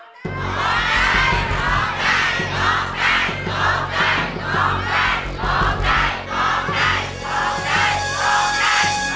ร้องได้ร้องได้ร้องได้ร้องได้